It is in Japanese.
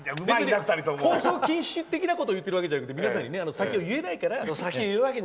でも、放送禁止的なことを言ってるんじゃなくて皆さんに先を言えないから。